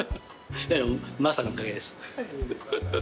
マスターのおかげです。